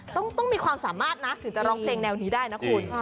ต้องมีความสามารถนะถึงจะร้องเพลงแนวนี้ได้นะคุณ